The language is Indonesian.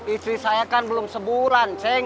istri saya kan belum sebulan ceng